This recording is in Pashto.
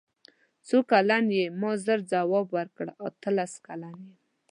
څو کلن یې ما ژر ځواب ورکړ اتلس کلن یم.